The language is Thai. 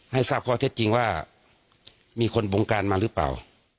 ให้ทราบข้อเท็จจริงว่ามีคนบงการมาหรือเปล่า